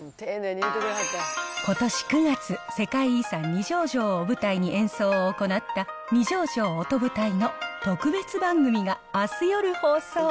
ことし９月、世界遺産、二条城を舞台に演奏を行った二条城音舞台の特別番組が、あす夜放送。